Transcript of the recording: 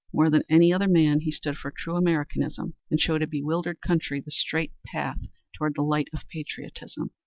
More than any other man he stood for true Americanism, and showed a bewildered country the straight path toward the light of patriotism.